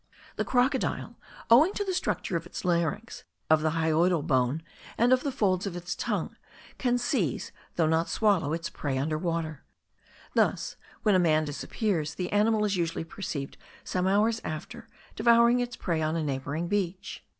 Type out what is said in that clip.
The crocodile, owing to the structure of its larynx, of the hyoidal bone, and of the folds of its tongue, can seize, though not swallow, its prey under water; thus when a man disappears, the animal is usually perceived some hours after devouring its prey on a neighbouring beach.